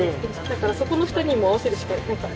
だからそこの２人にもう合わせるしか。